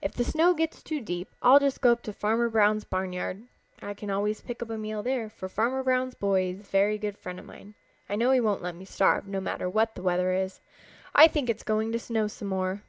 If the snow gets too deep I'll just go up to Farmer Brown's barnyard. I can always pick up a meal there, for Farmer Brown's boy is a very good friend of mine. I know he won't let me starve, no matter what the weather is. I think it is going to snow some more.